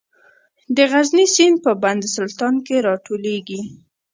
د غزني سیند په بند سلطان کې راټولیږي